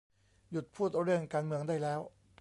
"หยุดพูดเรื่องการเมืองได้แล้ว !"